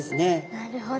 なるほど。